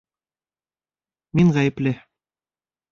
Мин ғәйепле.